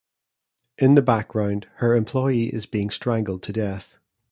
In the background, her employee is being strangled to death.